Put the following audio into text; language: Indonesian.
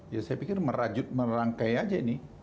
ya saya pikir merajut merangkai aja ini